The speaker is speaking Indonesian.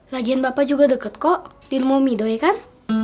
lagian bapak juga deket kok di rumah umido ya kan